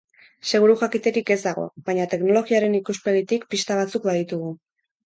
Seguru jakiterik ez dago, baina teknologiaren ikuspegitik pista batzuk baditugu.